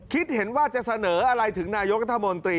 คิดเห็นว่าจะเสนออะไรถึงนายกรัฐมนตรี